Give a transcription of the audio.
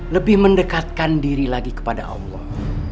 lebih mendekatkan diri lagi kepada allah